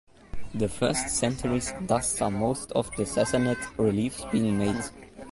The first centuries thus saw most of the Sassanid reliefs being made.